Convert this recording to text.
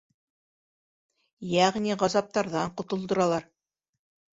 Йәғни ғазаптарҙан ҡотолдоралар.